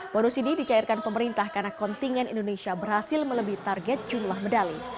bonus ini dicairkan pemerintah karena kontingen indonesia berhasil melebih target jumlah medali